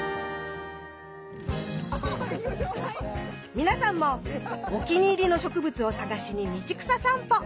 皆さんもお気に入りの植物を探しに道草さんぽ